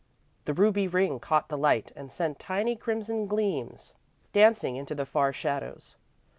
The ruby ring caught the light and sent tiny crimson gleams dancing into the far shadows.